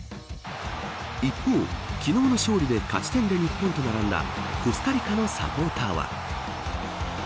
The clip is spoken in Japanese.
一方、昨日の勝利で勝ち点で日本と並んだコスタリカのサポーターは。